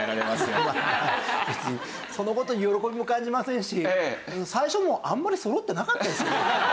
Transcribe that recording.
別にその事に喜びも感じませんし最初もうあんまりそろってなかったですけどね。